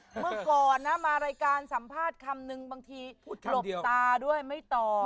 เมื่อก่อนนะมารายการสัมภาษณ์คำนึงบางทีหลบตาด้วยไม่ต่อ